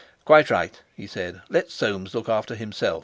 "Quite right," he said; "let Soames look after himself.